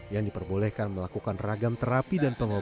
yang diperbolehkan melakukan ragam terapi dan pengobatan